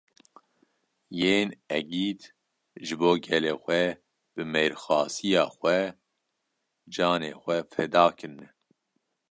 Yên egît ji bo gelê xwe bi mêrxasiya xwe, canê xwe feda kirine